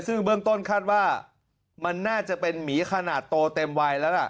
ซึ่งเบื้องต้นคาดว่ามันน่าจะเป็นหมีขนาดโตเต็มวัยแล้วล่ะ